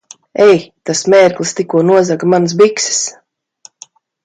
Ei! Tas mērglis tikko nozaga manas bikses!